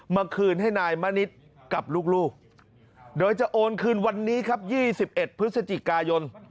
มาคืนให้นายมณิษฐ์กับลูกโดยจะโอนคืนวันนี้ครับ๒๑พฤศจิกายน